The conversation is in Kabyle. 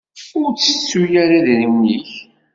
Ur ttettu ara idrimen-ik.